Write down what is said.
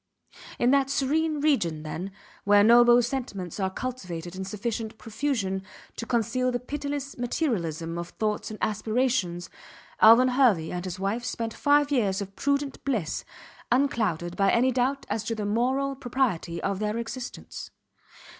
In that serene region, then, where noble sentiments are cultivated in sufficient profusion to conceal the pitiless materialism of thoughts and aspirations Alvan Hervey and his wife spent five years of prudent bliss unclouded by any doubt as to the moral propriety of their existence.